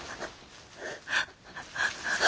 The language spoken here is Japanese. ああ！